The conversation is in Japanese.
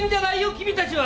君たちは！